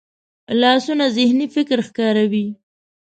لاسونه ذهني فکر ښکاروي